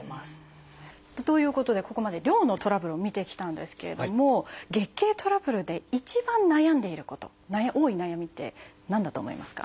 ということでここまで量のトラブルを見てきたんですけれども月経トラブルで一番悩んでいること多い悩みって何だと思いますか？